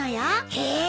へえ。